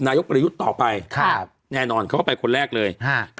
นายกประยุทธ์ต่อไปครับแน่นอนเขาก็ไปคนแรกเลยฮะ